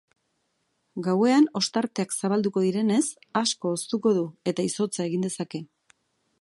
Gauean ostarteak zabalduko direnez, asko hoztuko du eta izotza egin dezake.